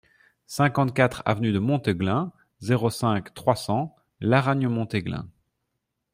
cinquante-quatre avenue de Monteglin, zéro cinq, trois cents, Laragne-Montéglin